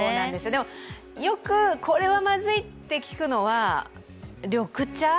でも、よくこれはまずいって聞くのは緑茶？